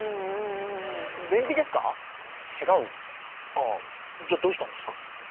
ああじゃあどうしたんですか？